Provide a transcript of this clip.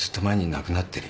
亡くなってる？